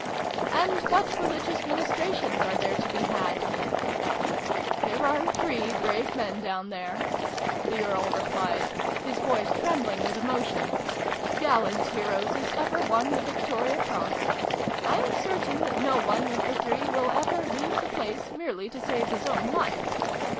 "And what religious ministrations are there to be had ?"" There are three brave men down there," the Earl replied, his voice trembling with emo tion, " gallant heroes as ever won the Victoria Cross ! I am certain that no one of the three will ever leave the place merely to save his own life.